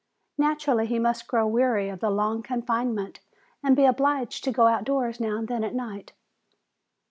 Naturally he must grow weary of the long confinement and be obliged to go outdoors now and then at night."